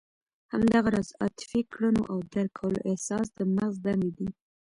همدغه راز عاطفي کړنو او درک کولو احساس د مغز دندې دي.